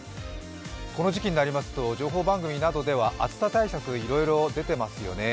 この時期になりますと、情報番組などでは暑さ対策いろいろ出てますよね。